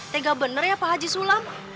tega bener ya pak haji sulam